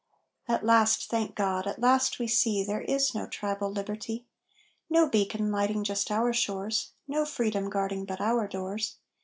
At last, thank God! At last we see There is no tribal Liberty! No beacon lighting just our shores! No Freedom guarding but our doors!